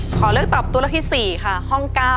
ขอเลือกตอบตัวเลือกที่๔ค่ะห้อง๙